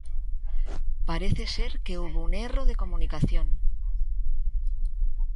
Parece ser que houbo un erro de comunicación.